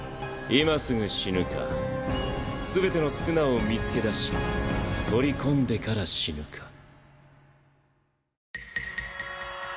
今すぐ死ぬか全ての宿儺を見つけ出し取り込んでから死ぬか。